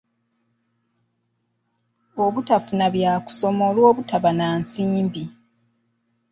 Obutafuna bya kusoma olw'obutaba na nsimbi.